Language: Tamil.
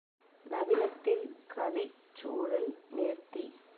நவீனத்தில் கதைச் சூழல் நேர்த்தி.